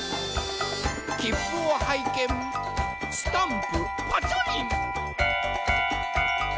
きっぷをはいけんスタンプパチョリン。